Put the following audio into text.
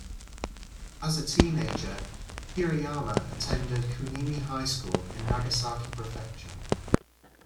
As a teenager, Hirayama attended Kunimi High School in Nagasaki Prefecture.